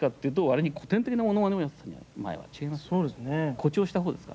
誇張したほうですか？